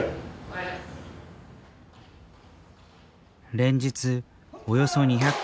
連日およそ２００球。